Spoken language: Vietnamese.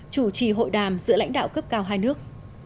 chủ trì hội đàm giữa lãnh đạo cấp cao hai nước